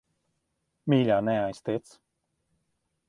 Mīļā, neaiztiec.